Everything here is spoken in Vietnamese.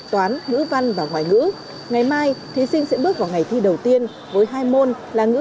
toán ngữ văn và ngoại ngữ ngày mai thí sinh sẽ bước vào ngày thi đầu tiên với hai môn là ngữ